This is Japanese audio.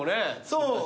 そう。